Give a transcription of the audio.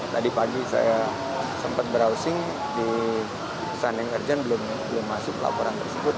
tadi pagi saya sempat browsing di sunning urgent belum masuk laporan tersebut